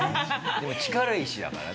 でも力石だからね。